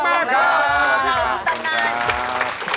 สำนัก